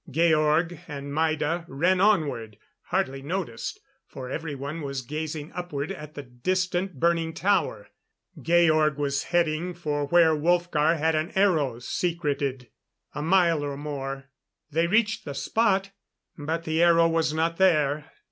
Georg and Maida ran onward, hardly noticed, for everyone was gazing upward at the distant, burning tower. Georg was heading for where Wolfgar had an aero secreted. A mile or more. They reached the spot but the aero was not there.